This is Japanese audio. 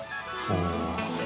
お。